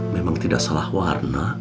memang tidak salah warna